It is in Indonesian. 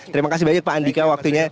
terima kasih banyak pak andika waktunya